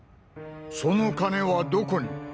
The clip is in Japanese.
その金はどこに？